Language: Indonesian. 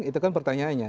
itu kan pertanyaannya